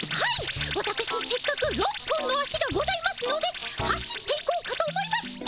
わたくしせっかく６本の足がございますので走っていこうかと思いまして。